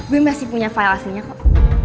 gue masih punya file aslinya kok